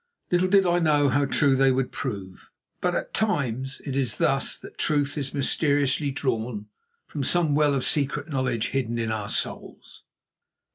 Little did I know how true they would prove, but at times it is thus that truth is mysteriously drawn from some well of secret knowledge hidden in our souls.